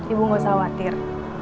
ibu gak usah khawatir